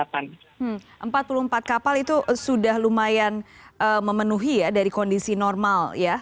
empat puluh empat kapal itu sudah lumayan memenuhi ya dari kondisi normal ya